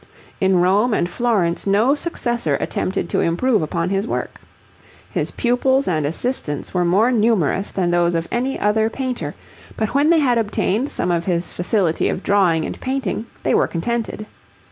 In Rome and Florence no successor attempted to improve upon his work. His pupils and assistants were more numerous than those of any other painter, but when they had obtained some of his facility of drawing and painting they were contented.